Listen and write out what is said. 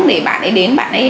để bạn ấy đến